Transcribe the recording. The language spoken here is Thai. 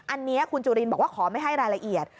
อันนี้คุณจุลินบอกว่าขอไม่ให้รายละเอียด